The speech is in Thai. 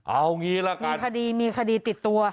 เอางี้ละครับมีคดีมีคดีติดตัว